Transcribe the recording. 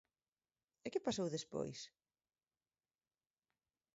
E ¿que pasou despois?